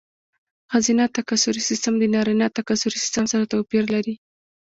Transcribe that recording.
ښځینه تکثري سیستم د نارینه تکثري سیستم سره توپیر لري.